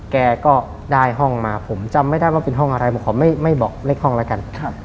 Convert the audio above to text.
แกก็ได้ห้องมาผมจำไม่ได้ว่าเป็นห้องอะไรผมขอไม่บอกเลขห้องแล้วกัน